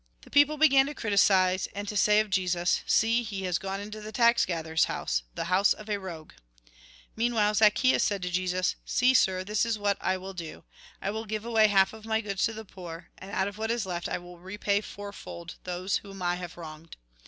The people began to criticise, and to say of Jesus :" See, he has gone into the tax gatherer's house, — the house of a rogue." Meanwhile, Zacchtuus said to Jesus :" See, sir, this is what I will do. I will give away half of my goods to the poor, and out of what is left I will repay fourfold those whom I have wronged."